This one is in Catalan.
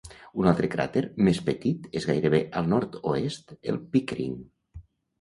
Un altre cràter, més petit, és gairebé al nord-oest, el Pickering.